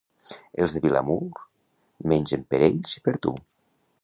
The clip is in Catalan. Els de Vilamur mengen per ells i per tu.